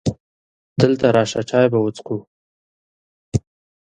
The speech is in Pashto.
دلته راشه! چای به وڅښو .